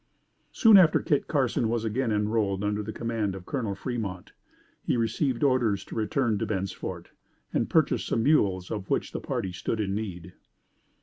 Soon after Kit Carson was again enrolled under the command of Col. Fremont, he received orders to return to Bent's Fort and purchase some mules of which the party stood in need.